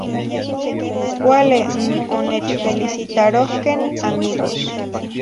Cuale n onechfelisitarohqueh n amigos.